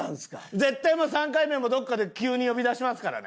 絶対もう３回目もどっかで急に呼び出しますからね。